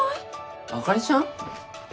あかりちゃん？